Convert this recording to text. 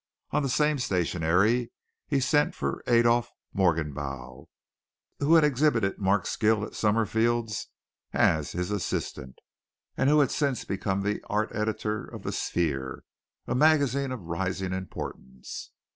On the same stationery he sent for Adolph Morgenbau, who had exhibited marked skill at Summerfield's as his assistant, and who had since become art editor of The Sphere, a magazine of rising importance.